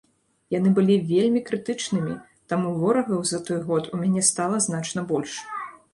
Яны былі вельмі крытычнымі, таму ворагаў за той год у мяне стала значна больш.